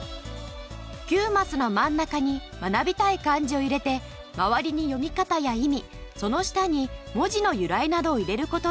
９マスの真ん中に学びたい漢字を入れて周りに読み方や意味その下に文字の由来などを入れる事で。